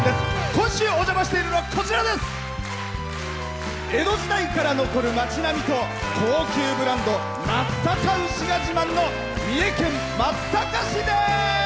今週お邪魔しているのは江戸時代から残る町並みと高級ブランド牛「松阪牛」が自慢の三重県松阪市です！